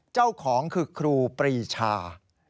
เจ้าของคือครูปรีชา